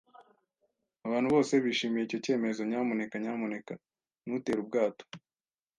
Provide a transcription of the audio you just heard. Abantu bose bishimiye icyo cyemezo, nyamuneka nyamuneka ntutere ubwato